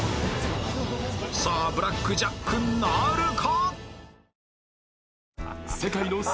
さあブラックジャックなるか？